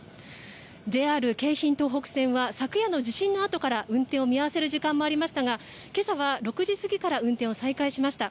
ＪＲ京浜東北線は昨夜の地震のあとから運転を見合わせる時間もありましたが、けさは６時過ぎから運転を再開しました。